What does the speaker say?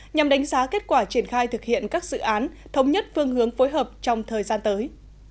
nhằm đánh giá kết quả triển khai thực hiện các dự án thống nhất phương hướng phối hợp trong thời gian tới